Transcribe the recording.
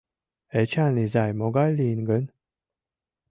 Эчан изай могай лийын гын?